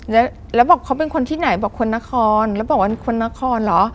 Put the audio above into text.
แล้วบอกเขาเป็นคนที่ไหนบอกคนนครแล้วบอกว่าคนนครเหรอ